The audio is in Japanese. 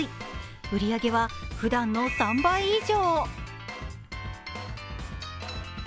売り上げは、ふだんの３倍以上。